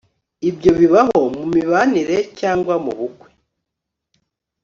ibyo bibaho mumibanire cyangwa mubukwe